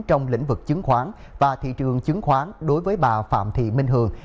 trong lĩnh vực chứng khoán và thị trường chứng khoán đối với bà phạm thị minh hường